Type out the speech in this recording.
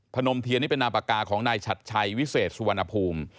นมเทียนนี่เป็นนามปากกาของนายชัดชัยวิเศษสุวรรณภูมิ